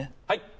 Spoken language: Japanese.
はい！